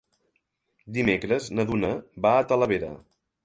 Dimecres na Duna va a Talavera.